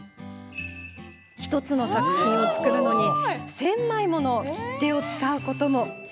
１つの作品を作るのに１０００枚もの切手を使うことも。